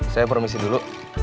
saya permisi dulu